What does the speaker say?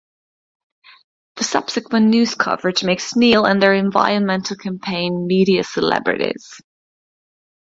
The subsequent news coverage makes Neil, and their environmental campaign, media celebrities.